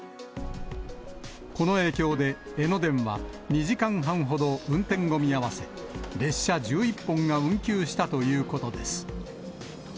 この影響で江ノ電は、２時間半ほど運転を見合わせ、列車１１本が運休したということです。